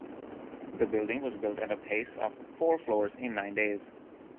The building was built at a pace of four floors in nine days.